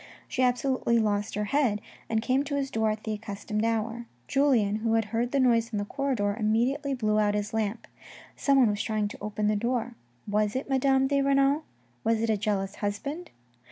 She absolutely lost her head, and came to his door at the accustomed hour. Julien, who had heard the noise in the corridor, immediately blew out his lamp. Someone was trying to open the door. Was it Madame de Renal ? Was it a jealous husband